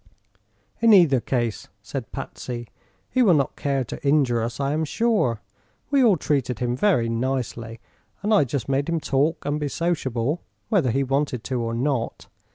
"In either case," said Patsy, "he will not care to injure us, I am sure. We all treated him very nicely, and I just made him talk and be sociable, whether he wanted to or not.